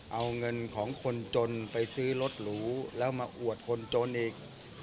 เอาเงินของคนจนไปซื้อรถหรูแล้วมาอวดคนจนอีก